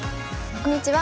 こんにちは。